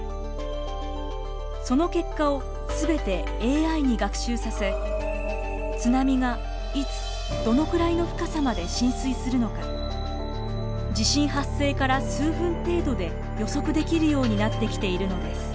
その結果を全てＡＩに学習させ津波がいつどのくらいの深さまで浸水するのか地震発生から数分程度で予測できるようになってきているのです。